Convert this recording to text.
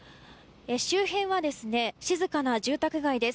周辺は静かな住宅街です。